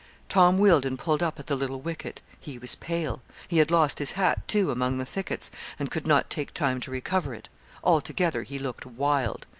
Tom Wealdon pulled up at the little wicket. He was pale. He had lost his hat, too, among the thickets, and could not take time to recover it. Altogether he looked wild.